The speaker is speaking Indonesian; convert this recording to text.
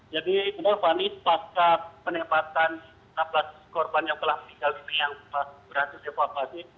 jadi pak fani pasca penempatan enam belas korban yang telah meninggal ini yang berhasil dioperasi